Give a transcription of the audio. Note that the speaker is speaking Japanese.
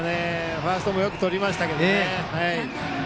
ファーストもよくとりましたが。